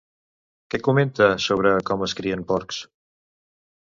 Què comenta sobre com es crien porcs?